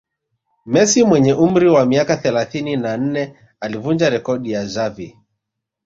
Messi mwenye umri wa miaka thelathini na nne alivunja rekodi ya Xavi